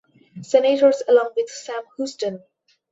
Senators along with Sam Houston.